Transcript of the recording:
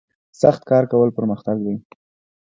سخت کار کول پرمختګ دی